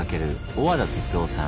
小和田哲男さん。